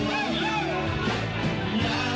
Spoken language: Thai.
จะพลาดแข็งส่อง